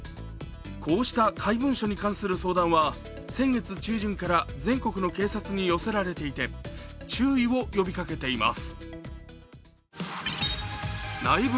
こうした怪文書に関する相談は先月中旬から全国の警察に寄せられていて注意を呼びかけています。